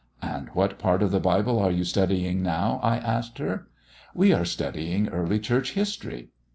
'And what part of the Bible are you studying now?' I asked her. 'We are studying early church history.'